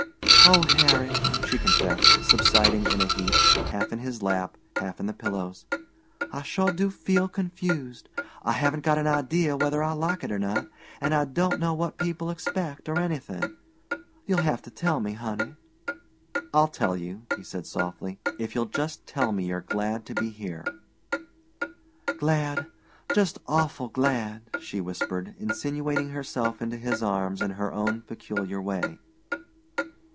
"Oh, Harry," she confessed, subsiding in a heap, half in his lap, half in the pillows, "I sure do feel confused. I haven't got an idea whether I'll like it or not, an' I don't know what people expect, or anythin'. You'll have to tell me, honey." "I'll tell you," he said softly, "if you'll just tell me you're glad to be here." "Glad just awful glad!" she whispered, insinuating herself into his arms in her own peculiar way.